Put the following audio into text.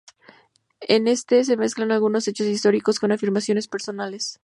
En este, se mezclan algunos hechos históricos con afirmaciones personales.